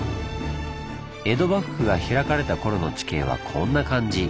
江戸幕府が開かれた頃の地形はこんな感じ。